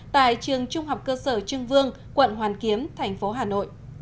tại trường trung học cơ sở trưng vương quận hoàn kiếm thành phố hà nội